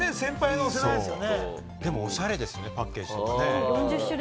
でも、おしゃれですね、パッケージとかも。